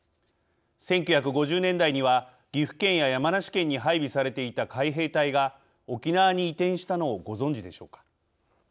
１９５０年代には岐阜県や山梨県に配備されていた海兵隊が沖縄に移転したのをご存じでしょうか。